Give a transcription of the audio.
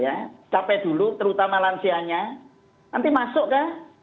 ya dua belas sampai dua belas tahun sampai dengan yang dewasa